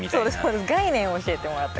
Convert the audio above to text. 概念を教えてもらった。